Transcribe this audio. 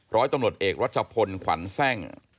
ร้อยตำรวจเอกรัชพลขวัญแทร่ง